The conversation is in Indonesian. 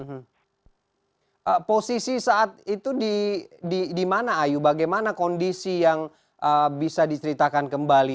hmm posisi saat itu di mana ayu bagaimana kondisi yang bisa diceritakan kembali